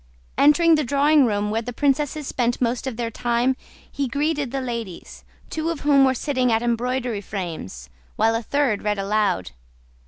Entering the drawing room, where the princesses spent most of their time, he greeted the ladies, two of whom were sitting at embroidery frames while a third read aloud.